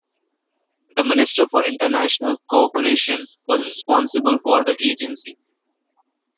The Minister for International Cooperation was responsible for the agency.